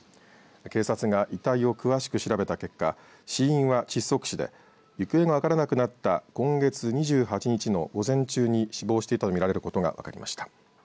警察が遺体を詳しく調べた結果死因は窒息死で行方が分からなくなった今月２８日の午前中に死亡していたと見られることが分かりました。